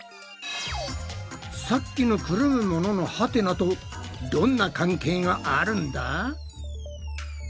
さっきのくるむもののハテナとどんな関係があるんだ？